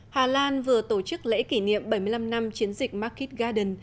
hà lan vừa tổ chức lễ kỷ niệm bảy mươi năm năm chiến dịch market garden